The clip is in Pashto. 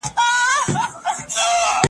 د نارنج ګل به پرننګرهار وي ,